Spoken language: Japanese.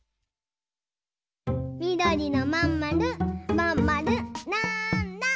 みどりのまんまるまんまるなんだ？